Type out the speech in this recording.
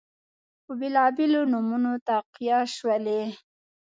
په بیلابیلو نومونو تقویه شولې